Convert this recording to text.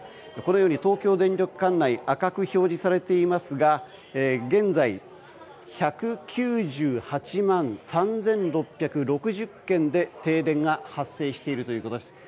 このように東京電力管内赤く表示されていますが現在、１９８万３６６０軒で停電が発生しているということです。